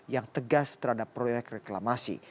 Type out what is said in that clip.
yang tegas terhadap proyek reklamasi